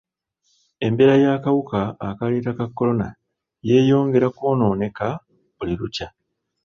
Embeera y'akawuka akaleeta ka kolona yeeyongera kwonooneka buli lukya.